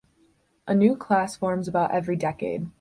A new class forms about every decade.